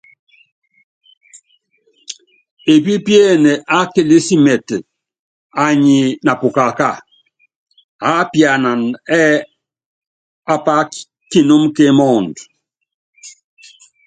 Epípíene á kilísimɛt anyi na pukaka, aápianan ɛ́ɛ́ ápá kinúmu kímɔɔdɔ.